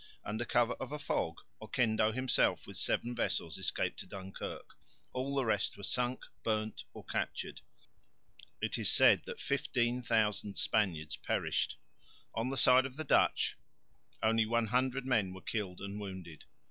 Under cover of a fog Oquendo himself with seven vessels escaped to Dunkirk; all the rest were sunk, burnt, or captured. It is said that 15,000 Spaniards perished. On the side of the Dutch only 100 men were killed and wounded.